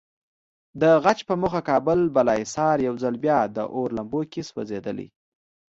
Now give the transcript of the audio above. د غچ په موخه کابل بالاحصار یو ځل بیا د اور لمبو کې سوځېدلی.